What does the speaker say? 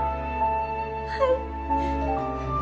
はい！